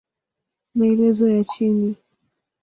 Maelezo ya chini